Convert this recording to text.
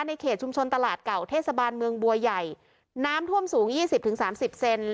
ในเขตชุมชนตลาดเก่าเทศบาลเมืองบัวใหญ่น้ำท่วมสูงยี่สิบถึงสามสิบเซน